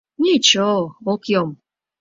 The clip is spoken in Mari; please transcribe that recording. Ничо, ок йом.